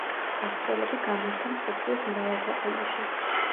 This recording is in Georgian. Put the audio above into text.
გასტროლები გამართა მსოფლიოს მრავალ ქვეყანაში.